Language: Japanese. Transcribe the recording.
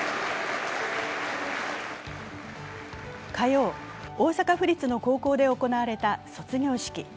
火曜、大阪府立の高校で行われた卒業式。